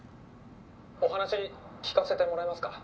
「お話聞かせてもらえますか？」